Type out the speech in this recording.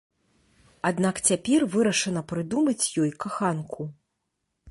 Аднак цяпер вырашана прыдумаць ёй каханку.